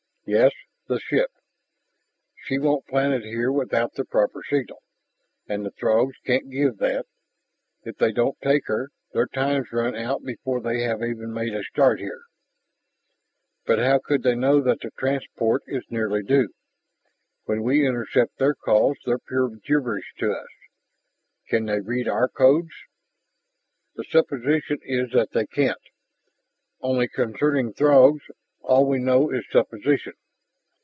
"Yes, the ship. She won't planet here without the proper signal. And the Throgs can't give that. If they don't take her, their time's run out before they have even made a start here." "But how could they know that the transport is nearly due? When we intercept their calls they're pure gibberish to us. Can they read our codes?" "The supposition is that they can't. Only, concerning Throgs, all we know is supposition.